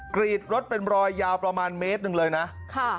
กรีดรถเป็นรอยยาวประมาณเมตรหนึ่งเลยนะค่ะ